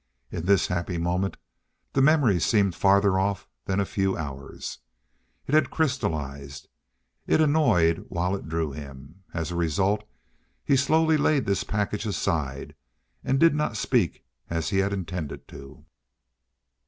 In this happy moment the memory seemed farther off than a few hours. It had crystallized. It annoyed while it drew him. As a result he slowly laid this package aside and did not speak as he had intended to.